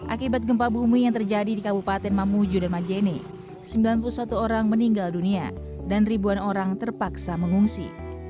akibat gempa bumi yang terjadi di kabupaten mamuju dan majene sembilan puluh satu orang meninggal dunia dan ribuan orang terpaksa mengungsi